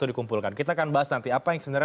dikumpulkan kita akan bahas nanti apa yang sebenarnya